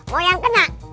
mau yang kena